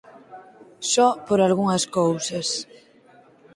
Só por algunhas cousas.